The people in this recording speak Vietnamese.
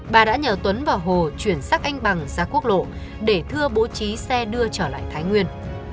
bà đã nhờ tuấn và hồ chuyển xác anh bằng ra quốc lộ để thưa bố trí xe đưa trở lại thái nguyên